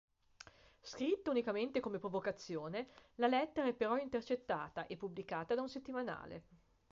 Scritta unicamente come provocazione, la lettera è però intercettata e pubblicata da un settimanale.